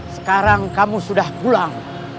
sekarang kamu sudah pulang